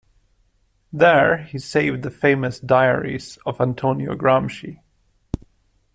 There he saved the famous diaries of Antonio Gramsci.